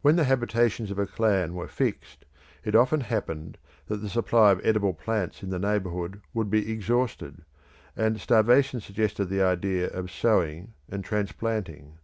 When the habitations of a clan were fixed, it often happened that the supply of edible plants in the neighbourhood would be exhausted, and starvation suggested the idea of sowing and transplanting.